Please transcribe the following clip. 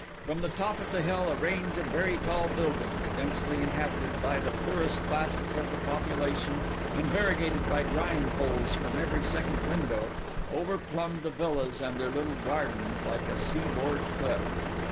From the top of the hill a range of very tall buildings, densely inhabited by the poorest classes of the population and variegated by drying poles from every second window, overplumbed the villas and their little gardens like a sea board cliff.